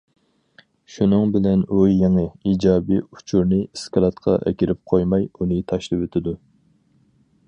شۇنىڭ بىلەن ئۇ بۇ يېڭى، ئىجابىي ئۇچۇرنى ئىسكىلاتقا ئەكىرىپ قويماي، ئۇنى تاشلىۋېتىدۇ.